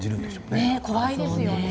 ねっ怖いですよね。